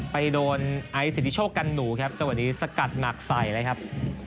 ไปโดนไอศิลป์ที่โชคกันหนูครับจังหวะนี้สกัดหนักใสนะครับ